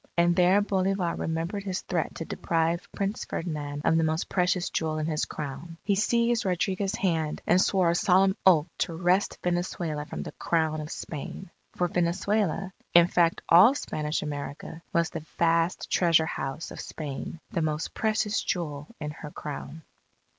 And there Bolivar remembered his threat to deprive Prince Ferdinand of the most precious jewel in his Crown. He seized Rodriguez's hand and swore a solemn oath to wrest Venezuela from the Crown of Spain. For Venezuela in fact all Spanish America was the vast treasure house of Spain, the most precious jewel in her Crown.